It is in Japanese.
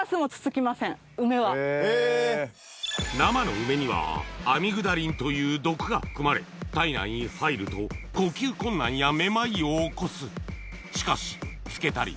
生の梅にはアミグダリンという毒が含まれ体内に入ると呼吸困難やめまいを起こす